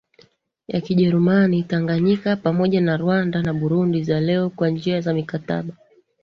ya Kijerumani Tanganyika pamoja na Rwanda na Burundi za leo Kwa njia za mikataba